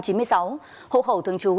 hậu khẩu thường trú